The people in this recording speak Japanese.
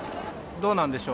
どうなんでしょう。